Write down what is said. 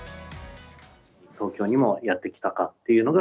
東京にもやってきたかっていうのが。